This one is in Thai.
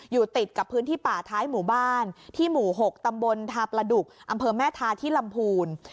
อยู่ติดกับพื้นที่ป่าท้ายหมู่บ้านที่หมู่๖ตำบลทาประดุกอำเภอแม่ทาที่ลำพูน